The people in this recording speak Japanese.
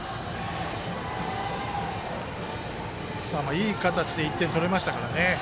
いい形で１点取れましたからね